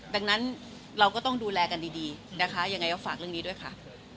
ดังนั้นเราก็ต้องดูแลกันดีนะคะยังไงก็ฝากเรื่องนี้ด้วยค่ะ